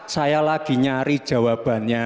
saya lagi nyari jawabannya